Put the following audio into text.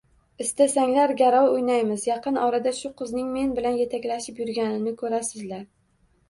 Istasanglar garov o`ynaymiz, yaqin orada shu qizning men bilan etaklashib yurganini ko`rasizlar